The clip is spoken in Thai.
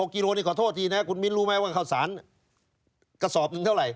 กิโลนี่ขอโทษทีนะคุณมิ้นรู้ไหมว่าข้าวสารกระสอบหนึ่งเท่าไห